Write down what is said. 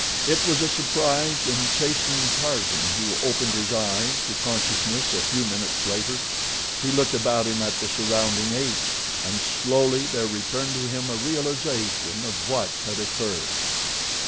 It was a surprised and chastened Tarzan who opened his eyes to consciousness a few minutes later. He looked about him at the surrounding apes and slowly there returned to him a realization of what had occurred.